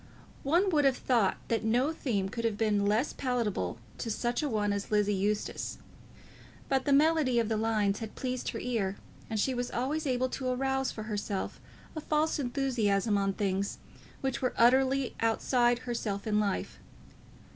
One would have thought that no theme could have been less palatable to such a one as Lizzie Eustace; but the melody of the lines had pleased her ear, and she was always able to arouse for herself a false enthusiasm on things which were utterly outside herself in life.